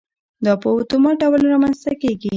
دا په اتومات ډول رامنځته کېږي.